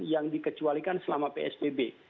yang dikecualikan selama psbb